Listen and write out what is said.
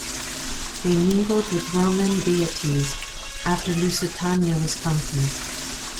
They mingled with Roman deities after Lusitania was conquered.